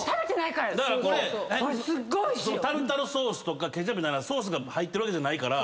だからこれタルタルソースとかケチャップみたいなソースが入ってるわけじゃないから。